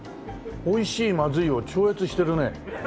美味しいまずいを超越してるね。